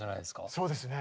そうですね。